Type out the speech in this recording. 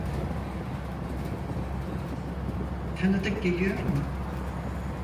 Tanıdık geliyor mu?